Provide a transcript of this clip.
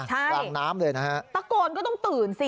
กลางน้ำเลยนะฮะตะโกนก็ต้องตื่นสิ